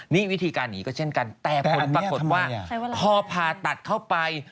นี่วิธีการหนีก็เช่นกันแต่ผลปรากฏว่าพอผ่าตัดเข้าไป